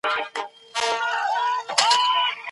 که سمه بودیجه نه وي، څېړنه ټکنی کیږي.